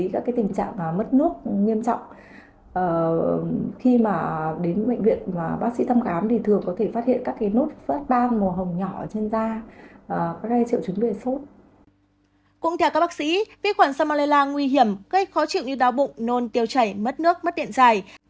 cũng theo các bác sĩ vi khuẩn salmella nguy hiểm gây khó chịu như đau bụng nôn tiêu chảy mất nước mất điện dài